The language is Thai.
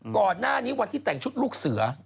ก่อนหน้านี้วันที่แต่งชุดลูกเสือ